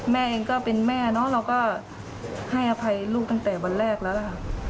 แม่เองก็เป็นแม่เนอะเราก็ให้อภัยลูกตั้งแต่วันแรกแล้วล่ะค่ะ